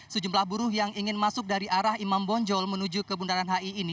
sejumlah buruh yang ingin masuk dari arah imam bonjol menuju ke bundaran hi ini